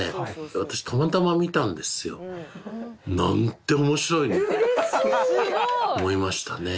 私たまたま見たんですよ。なんて面白いの！って思いましたね。